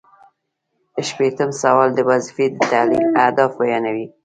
شپیتم سوال د وظیفې د تحلیل اهداف بیانوي.